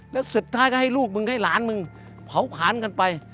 แล้วสุดท้ายก็ให้ลูกมึงให้หลานมึงเผาขานกันไป